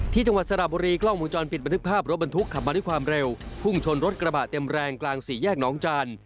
จังหวัดสระบุรีกล้องวงจรปิดบันทึกภาพรถบรรทุกขับมาด้วยความเร็วพุ่งชนรถกระบะเต็มแรงกลางสี่แยกน้องจันทร์